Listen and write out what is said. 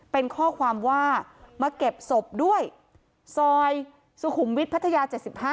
เป็นข้อความว่ามาเก็บศพด้วยซอยสุขุมวิทย์พัทยา๗๕